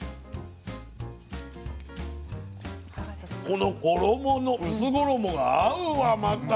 この衣の薄衣が合うわまた。